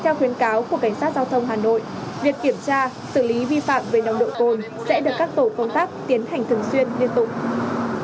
theo khuyến cáo của cảnh sát giao thông hà nội việc kiểm tra xử lý vi phạm về nồng độ cồn sẽ được các tổ công tác tiến hành thường xuyên liên tục